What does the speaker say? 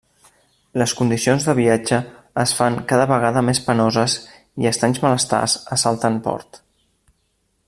Les condicions de viatge es fan cada vegada més penoses i estranys malestars assalten Port.